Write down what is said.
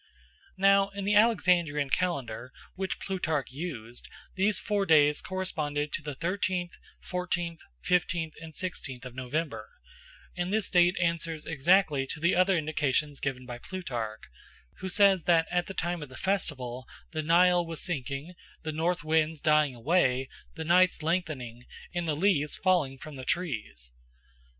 Now in the Alexandrian calendar, which Plutarch used, these four days corresponded to the thirteenth, fourteenth, fifteenth, and sixteenth of November, and this date answers exactly to the other indications given by Plutarch, who says that at the time of the festival the Nile was sinking, the north winds dying away, the nights lengthening, and the leaves falling from the trees.